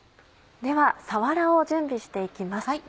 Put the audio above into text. ではさわらを準備して行きます。